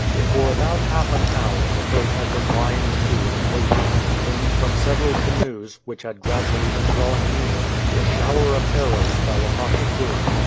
For about half an hour the boat had been lying to and waiting, when from several canoes, which had gradually been drawing near, a shower of arrows fell upon the crew.